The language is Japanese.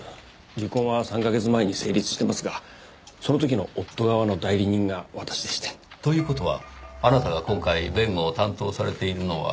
離婚は３カ月前に成立していますがその時の夫側の代理人が私でして。という事はあなたが今回弁護を担当されているのは。